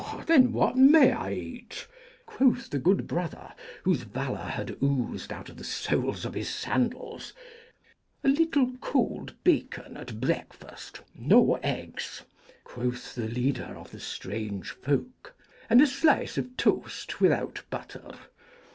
'Then what may I eat?' quoth the good Brother, whose valour had oozed out of the soles of his sandals. 'A little cold bacon at breakfast no eggs,' quoth the leader of the strange folk, 'and a slice of toast without butter.'